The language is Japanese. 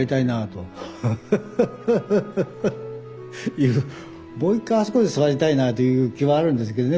いうもう一回あそこで座りたいなという気はあるんですけどね